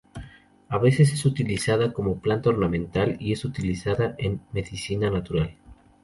A veces es utilizada como planta ornamental; y es utilizada en medicina natural.